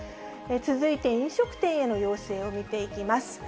続いて飲食店への要請を見ていきます。